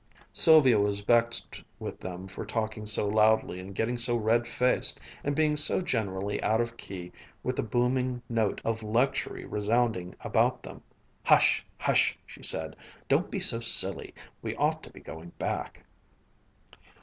Sylvia was vexed with them for talking so loudly and getting so red faced and being so generally out of key with the booming note of luxury resounding about them. "Hush! hush!" she said; "don't be so silly. We ought to be going back."